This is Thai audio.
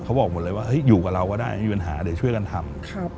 เขาบอกหมดเลยว่าอยู่กับเราก็ได้ไม่มีปัญหาเดี๋ยวช่วยกันทำ